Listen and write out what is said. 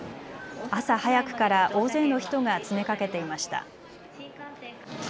朝早くから大勢の人が詰めかけていました。